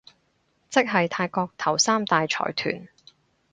即係泰國頭三大財團